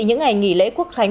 những ngày nghỉ lễ quốc khánh